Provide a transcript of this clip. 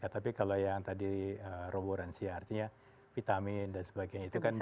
tapi kalau yang tadi roboransia artinya vitamin dan sebagainya itu kan bisa